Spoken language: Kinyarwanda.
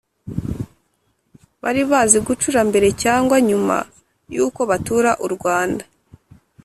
bari bazi gucura mbere cyangwa nyuma yuko batura u Rwanda